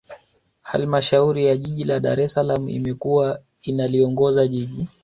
Halmashauri ya Jiji la Dar es Salaam imekuwa inaliongoza Jiji